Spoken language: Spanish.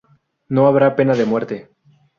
No habrá pena de muerte"..